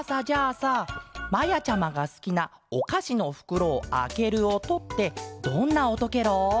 さまやちゃまがすきなおかしのふくろをあけるおとってどんなおとケロ？